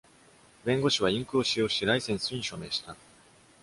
弁護士はインクを使用してライセンスに署名した。